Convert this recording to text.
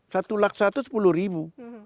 satu laksa itu sepuluh ribu